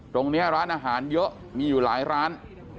ตรงเนี้ยร้านอาหารเยอะมีอยู่หลายร้าน